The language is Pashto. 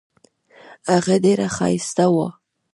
هغه ډیره ښایسته وه.